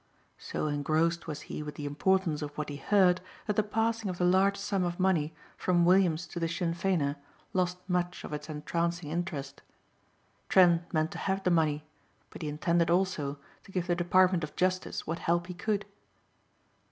So engrossed was he with the importance of what he heard that the passing of the large sum of money from Williams to the Sinn Feiner lost much of its entrancing interest. Trent meant to have the money, but he intended also to give the Department of Justice what help he could.